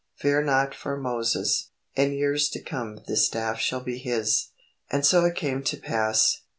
Fear not for Moses. In years to come this staff shall be his." And so it came to pass.